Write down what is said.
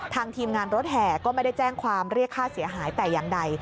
ทีมงานรถแห่ก็ไม่ได้แจ้งความเรียกค่าเสียหายแต่อย่างใด